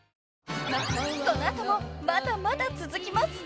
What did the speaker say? ［この後もまだまだ続きます］